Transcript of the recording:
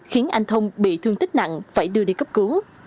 khiến anh thông bị thương tích nặng phải đưa đi cấp cứu